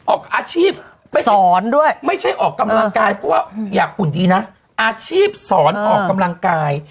ออกอาชีพไปสอนด้วยไม่ใช่ออกกำลังกายเพราะว่าอยากหุ่นดีนะอาชีพสอนออกกำลังกาย